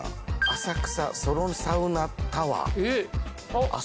浅草ソロサウナタワー。